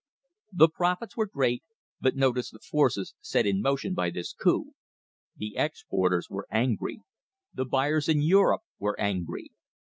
The profits were great, but notice the forces set in motion by this coup. The exporters were angry. The buyers in Europe were angry.